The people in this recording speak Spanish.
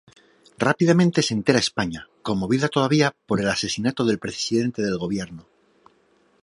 Rápidamente se entera España, conmovida todavía por el asesinato del Presidente del Gobierno.